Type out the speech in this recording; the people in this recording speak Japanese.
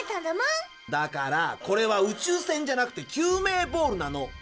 だからこれは宇宙船じゃなくて救命ボールなの。